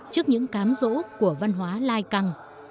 trước những cám rỗ của văn hóa lai căng